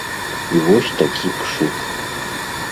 І вось такі пшык.